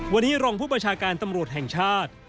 วันนี้รองผู้ประชาการตำรวจแห่งชาติ